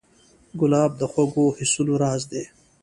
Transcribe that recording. ګلاب د خوږو حسونو راز دی.